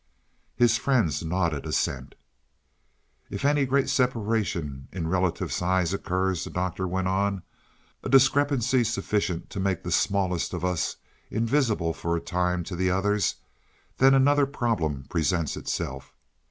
His friends nodded assent. "If any great separation in relative size occurs," the Doctor went on, "a discrepancy sufficient to make the smallest of us invisible for a time to the others, then another problem presents itself.